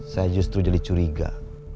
saya justru jadi curiga